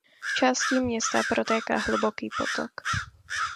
Částí města protéká Hluboký potok.